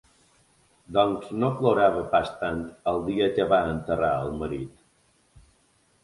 Doncs no plorava pas tant el dia que va enterrar el marit.